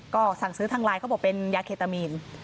ก็สั่งซื้อทางไลน์เขาบอกเป็นยาเคตามีน